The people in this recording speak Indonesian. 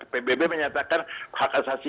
pbb menyatakan hak asasi